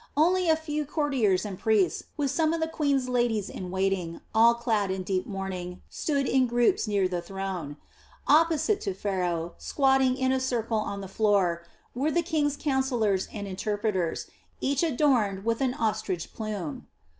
Only a few courtiers and priests, with some of the queen's ladies in waiting, all clad in deep mourning, stood in groups near the throne. Opposite to Pharaoh, squatting in a circle on the floor, were the king's councillors and interpreters, each adorned with an ostrich plume.